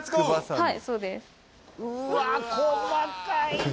はい。